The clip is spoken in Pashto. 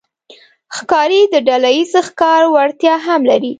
ښکاري د ډلهییز ښکار وړتیا هم لري.